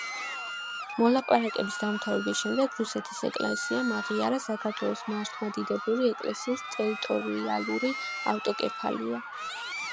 მოლაპარაკების დამთავრების შემდეგ რუსეთის ეკლესიამ აღიარა საქართველოს მართლმადიდებელი ეკლესიის ტერიტორიალური ავტოკეფალია.